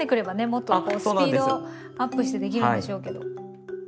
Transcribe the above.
もっとスピードアップしてできるんでしょうけど。